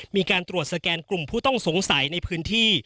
มีการตรวจสแกนกลุ่มผู้ต้องสงสัยในพื้นที่